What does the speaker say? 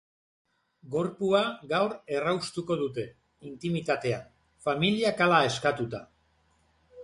Gorpua gaur erraustuko dute, intimitatean, familiak hala eskatuta.